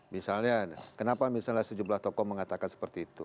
misalnya kenapa misalnya sejumlah tokoh mengatakan seperti itu